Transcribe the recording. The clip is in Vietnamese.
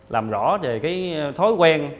làm rõ về cái thói quen